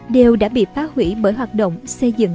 đều đã bị phá hủy bởi hoạt động xây dựng